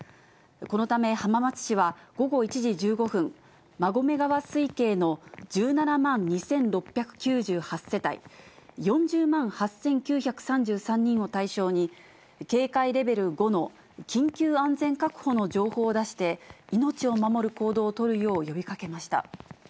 このため浜松市は、午後１時１５分、馬込川水系の１７万２６９８世帯、４０万８９３３人を対象に、警戒レベル５の緊急安全確保の情報を出して、命を守る行動を取るよう呼びかけました。